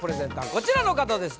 こちらの方です